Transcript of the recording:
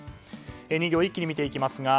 ２行一気に見ていきます。